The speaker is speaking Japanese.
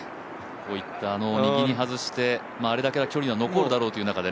こうやって右に外してあれだけ距離が残るだろうというところで。